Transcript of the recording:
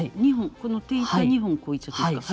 この手板２本こういっちゃっていいですか。